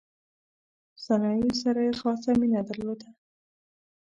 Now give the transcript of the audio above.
صنایعو سره یې خاصه مینه درلوده.